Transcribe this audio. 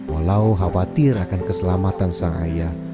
walau khawatir akan keselamatan sang ayah